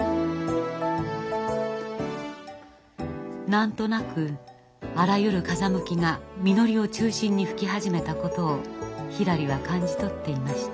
なんとなくあらゆる風向きがみのりを中心に吹き始めたことをひらりは感じ取っていました。